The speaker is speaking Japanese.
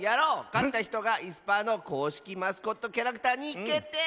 かったひとがいすパーのこうしきマスコットキャラクターにけってい！